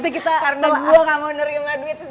karena gue nggak mau nerima duit sendiri ya mbak